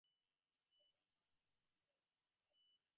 State-of-the art technology was installed.